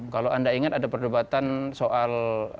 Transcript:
kalau anda ingat ada perdebatan soal